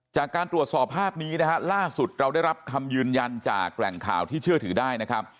จากการตรวจสอบภาพนี้นะฮะล่าสุดเราได้รับคำยืนยันจากแหล่งข่าวที่เชื่อถือได้นะครับ